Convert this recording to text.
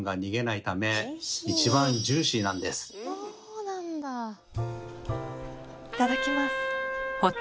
いただきます。